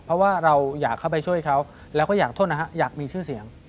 เพราะว่าเราอยากเข้าไปช่วยเขาแล้วก็อยากโทษนะฮะอยากมีชื่อเสียง